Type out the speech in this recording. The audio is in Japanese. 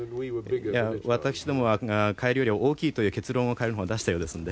私どもはカエルより大きいという結論をカエルも出したようですので。